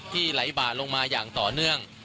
ไหลบ่าลงมาอย่างต่อเนื่อง